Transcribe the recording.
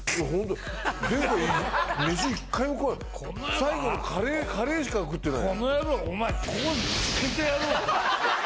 最後のカレーしか食ってない。